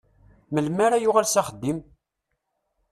Melmi ara yuɣal s axeddim?